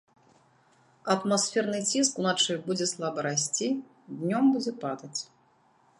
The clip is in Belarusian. Атмасферны ціск уначы будзе слаба расці, днём будзе падаць.